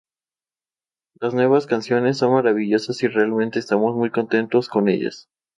Las nuevas canciones son maravillosas y realmente estamos muy contentos con ellas.